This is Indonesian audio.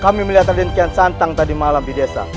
kami melihat raden kian santang tadi malam di desa